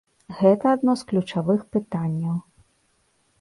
Гэта адно з ключавых пытанняў.